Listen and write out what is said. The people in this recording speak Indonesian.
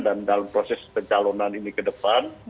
dan dalam proses pencalonan ini ke depan